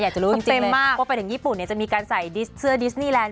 อยากจะรู้จริงเลยว่าไปถึงญี่ปุ่นจะมีการใส่เสื้อดิสนีแลนด์